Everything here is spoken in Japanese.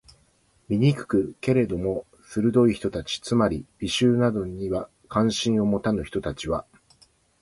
醜く？けれども、鈍い人たち（つまり、美醜などに関心を持たぬ人たち）は、